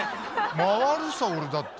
回るさ俺だって。